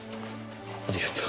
ありがとう。